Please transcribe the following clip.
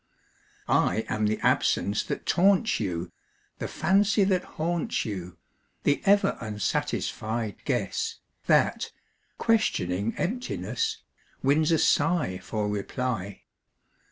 I am the absence that taunts you, The fancy that haunts you; The ever unsatisfied guess That, questioning emptiness, Wins a sigh for reply.